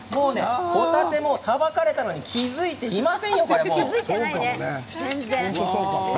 ホタテもさばかれてたことに気付いていません。